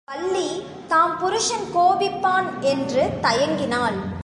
வள்ளிதான் புருஷன் கோபிப்பான் என்று தயங்கினாள்.